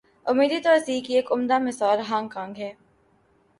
عمودی توسیع کی ایک عمدہ مثال ہانگ کانگ ہے۔